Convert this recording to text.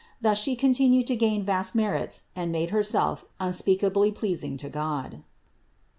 Thus She con tinued to gain vast merits and made Herself unspeak ably pleasing to God.